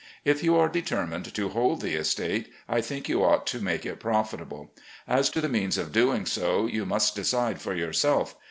... If you are determined to hold the estate, I think you ought to make it profitable. As to the means of doing so, you must decide for yourself.